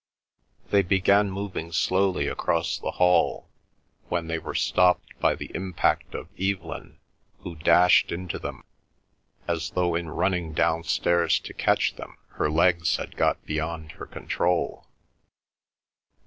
They began moving slowly across the hall, when they were stopped by the impact of Evelyn, who dashed into them, as though in running downstairs to catch them her legs had got beyond her control.